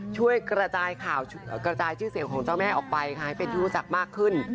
ช่วยกระจายข่าวกระจายชื่อเสียงของเจ้าแม่ออกไปค่ะให้เป็นที่รู้จักมากขึ้น